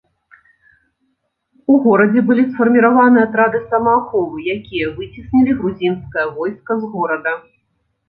У горадзе былі сфарміраваны атрады самааховы, якія выцеснілі грузінскае войска з горада.